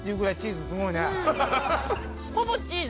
ほぼチーズ。